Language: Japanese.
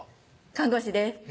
看護師です